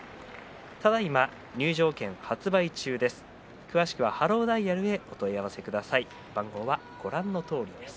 ただいま入場券発売中です。